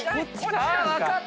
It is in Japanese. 分かった！